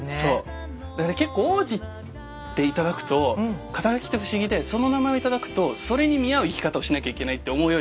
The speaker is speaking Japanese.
だから結構王子って頂くと肩書って不思議でその名前を頂くとそれに見合う生き方をしなきゃいけないって思うようになる。